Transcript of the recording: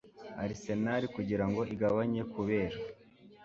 Arsenal kugirango igabanye kubera